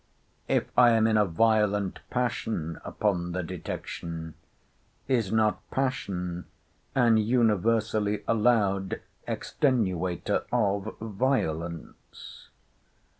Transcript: —If I am in a violent passion upon the detection, is not passion an universally allowed extenuator of violence?